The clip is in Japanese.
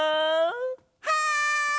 はい！